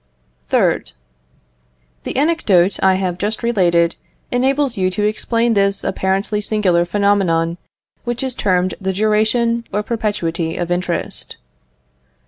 3rd. The anecdote I have just related enables you to explain this apparently singular phenomenon, which is termed the duration or perpetuity of interest.